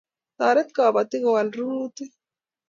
Toret kapatik kuwal rurutik